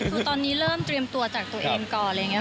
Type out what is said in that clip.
คือตอนนี้เริ่มเตรียมตัวจากตัวเองก่อนอะไรอย่างนี้